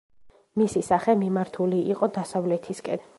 მისი სახე მიმართული იყო დასავლეთისკენ.